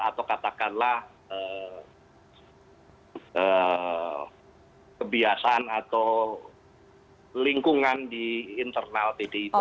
atau katakanlah kebiasaan atau lingkungan di internal tdi itu